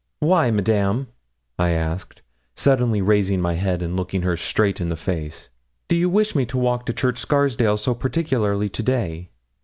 'Why, Madame,' I asked, suddenly raising my head and looking her straight in the face, 'do you wish me to walk to Church Scarsdale so particularly to day?'